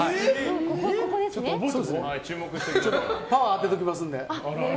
パワー当てておきますんで。